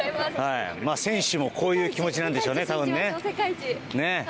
選手もこういう気持ちなんでしょうね。